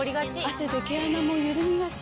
汗で毛穴もゆるみがち。